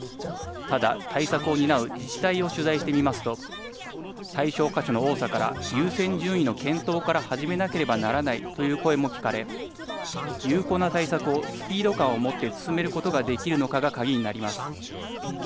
ただ対策を担う自治体を取材してみますと対象箇所の多さから優先順位の検討から始めなければならないという声も聞かれ有効な対策をスピード感を持って進めることができるのかが鍵になります。